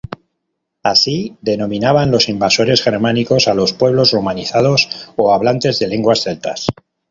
Así denominaban los invasores germánicos a los pueblos romanizados o hablantes de lenguas celtas.